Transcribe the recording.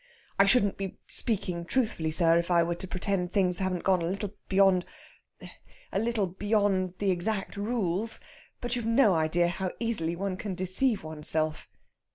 "I shouldn't be speaking truthfully, sir, if I were to pretend things haven't gone a little beyond a little beyond the exact rules. But you've no idea how easily one can deceive oneself."